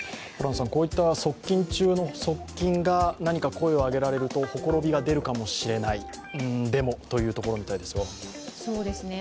こういった側近中の側近が何か声を上げられるとほころびが出るかもしれない、でもというところのようです。